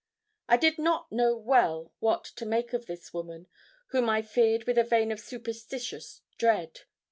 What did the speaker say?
I did not know well what to make of this woman, whom I feared with a vein of superstitious dread.